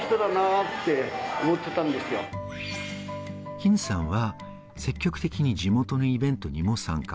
金さんは積極的に地元のイベントにも参加。